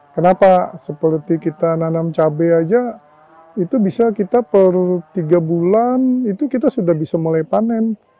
kenapa seperti kita nanam cabai aja itu bisa kita per tiga bulan itu kita sudah bisa mulai panen